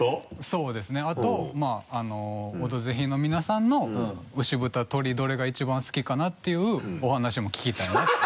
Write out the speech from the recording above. そうですねあとまぁ「オドぜひ」の皆さんの牛・豚・鶏どれが一番好きかなっていうお話も聞きたいなと。